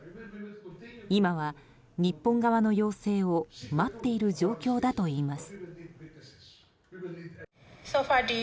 今は日本側の要請を待っている状況だといいます。